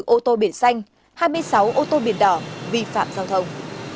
ba mươi bốn ô tô biển xanh hai mươi sáu ô tô biển đỏ vi phạm giao thông